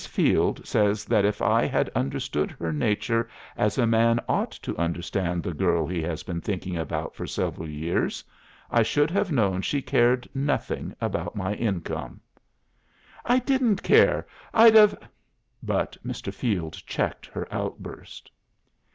Field says that if I had understood her nature as a man ought to understand the girl he has been thinking about for several years, I should have known she cared nothing about my income." "I didn't care! I'd have" but Mr. Field checked her outburst.